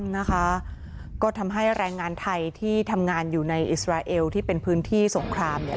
นะคะก็ทำให้แรงงานไทยที่ทำงานอยู่ในอิสราเอลที่เป็นพื้นที่สงครามเนี่ย